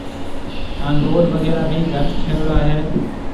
ھان روڊ وغيرھ ڀِي گھٽ ٺھيَََل ھيََََ